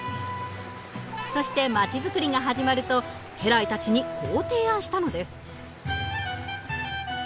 そして街づくりが始まると家来たちにこう提案したのです。